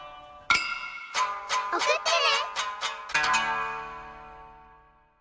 おくってね。